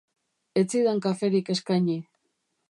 Ez zidan kaferik eskaini.